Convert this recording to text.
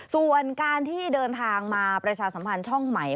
ส่วนการที่เดินทางมาประชาสัมพันธ์ช่องใหม่